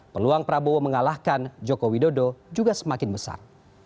peluang prabowo mengalahkan joko widodo juga semakin besar